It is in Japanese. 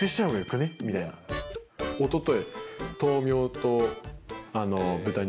おととい。